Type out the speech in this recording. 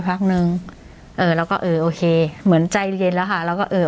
พักหนึ่งเออแล้วก็เออโอเคเหมือนใจเรียนแล้วค่ะแล้วก็เออ